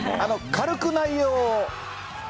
軽く内容を。